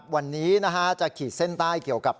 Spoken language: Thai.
วันนี้จะขีดเส้นใต้เกี่ยวกับ